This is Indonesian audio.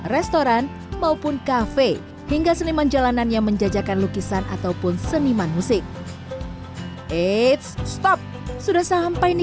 restoran maupun kafe hingga seniman jalanan yang menjajakan lukisan ataupun seniman musik eits stop sudah sampai di